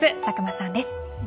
佐久間さんです。